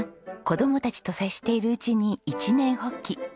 子どもたちと接しているうちに一念発起。